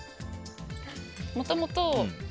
もともと。